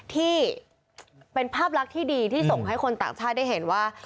ที่เป็นภาพลักษณ์ที่ดีที่ส่งให้คนต่างชาติได้เห็นว่า